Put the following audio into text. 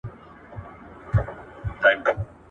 خپل کوچنيان ښوونځي ته ولېږئ!